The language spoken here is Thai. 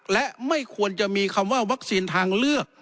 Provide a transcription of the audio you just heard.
และไม่ควรจะมีคำว่าวัคซีนทางเลือก